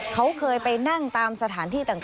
เขาเคยไปนั่งตามสถานที่ต่าง